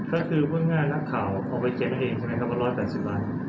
ก็คือว่าง่ายนักข่าวเอาไปเก็บให้เองใช่ไหมครับว่า๑๘๐ล้าน